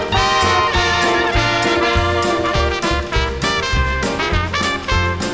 โปรดติดตามต่อไป